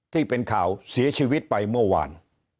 ที่เป็นข่าวเสียชีวิตไปเมื่อวาน